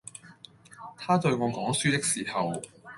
他對我講書的時候，